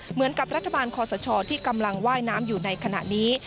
เหมือนกับรัฐบาลคอสชที่กำลังว่ายน้ำอยู่ในขณะนี้